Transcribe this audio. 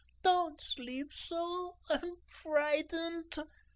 "Don't sleep so. I'm frightenedt."